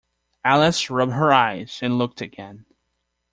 Alice rubbed her eyes, and looked again.